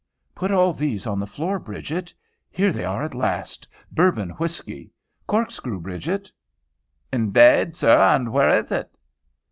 Put all these on the floor, Bridget." Here they are at last. "Bourbon whiskey." "Corkscrew, Bridget." "Indade, sir, and where is it?"